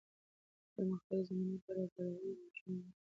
د پرمختګ زمینه برابرول د ماشومانو دنده ده.